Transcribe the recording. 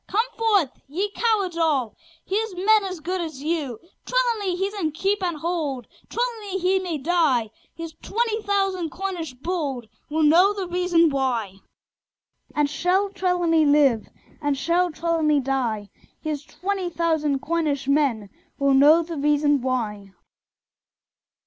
come forth! ye cowards all: Here's men as good as you. Trelawny he's in keep and hold; Trelawny he may die: Here's twenty thousand Cornish bold Will know the reason why And shall Trelawny live? Or shall Trelawny die? Here's twenty thousand Cornish men Will know the reason why!